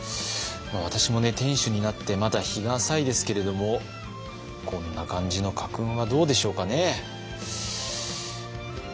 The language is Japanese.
私もね店主になってまだ日が浅いですけれどもこんな感じの家訓はどうでしょうかね。